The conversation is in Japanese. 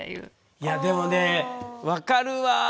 いやでもね分かるわ。